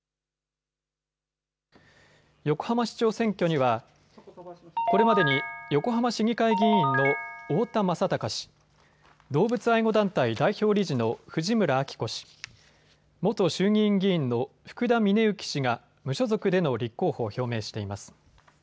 横浜市長選挙にはこれまでに横浜市議会議員の太田正孝氏、動物愛護団体代表理事の藤村晃子氏、元衆議院議員の福田峰之氏が無所属での立候補を表明しています。